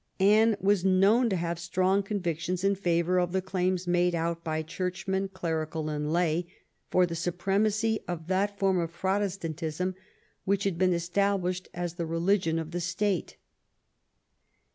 Anne was known to have strong convic tions in favor of the claims made out by churchmen, clerical and lay, for the supremacy of that form of Protestantism which had been established as the religion of the state.